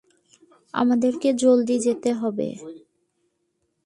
আমাদেরকে জলদি যেতে হবে।